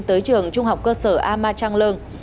tới trường trung học cơ sở amma trang lương